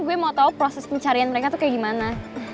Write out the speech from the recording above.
gue mau tahu proses pencarian mereka tuh kayak gimana